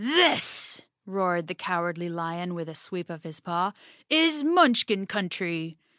"This," roared the Cowardly Lion with a sweep of his paw, "is the Munchkin Country.